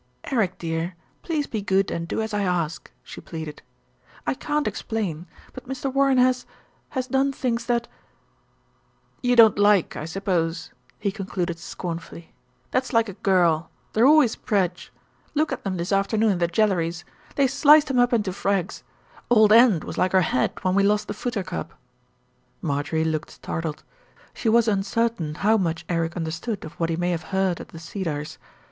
"Eric, dear, please be good and do as I ask," she pleaded. "I can't explain; but Mr. Warren has has done things that " "You don't like, I suppose," he concluded scornfully. "That's like a girl. They're always prej. Look at them this afternoon at the Jelleries. They sliced him up into frags. Old End was like our Head when we lost the footer cup." Marjorie looked startled. She was uncertain how much Eric understood of what he may have heard at The Cedars.